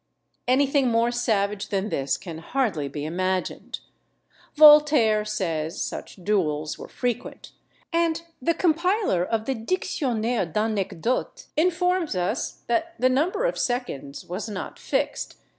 Any thing more savage than this can hardly be imagined. Voltaire says such duels were frequent, and the compiler of the Dictionnaire d'Anecdotes informs us that the number of seconds was not fixed.